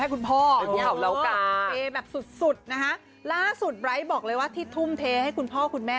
คุณพ่อเรากลับเทแบบสุดสุดนะคะล่าสุดไร้บอกเลยว่าที่ทุ่มเทให้คุณพ่อคุณแม่